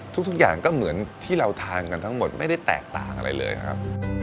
ทุกอย่างก็เหมือนที่เราทานกันทั้งหมดไม่ได้แตกต่างอะไรเลยครับ